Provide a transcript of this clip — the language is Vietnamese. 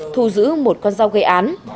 thù giữ một con dao gây án